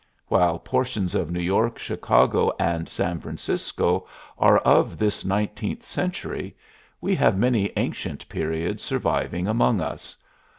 While portions of New York, Chicago, and San Francisco are of this nineteenth century, we have many ancient periods surviving among us.